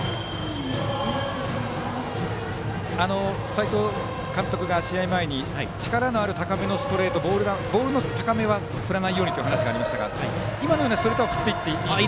斎藤監督が試合前に力のある高めのストレートボールの高めは振らないようにという話がありましたが今のようなストレートは振っていっていいですか。